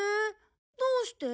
どうして？